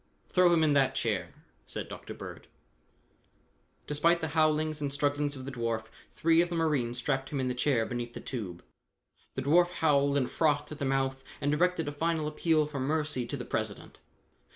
"Throw him in that chair," said Dr. Bird. Despite the howlings and strugglings of the dwarf, three of the marines strapped him in the chair beneath the tube. The dwarf howled and frothed at the mouth and directed a final appeal for mercy to the President.